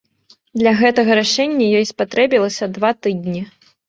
Для гэтага рашэння ёй спатрэбілася два тыдні.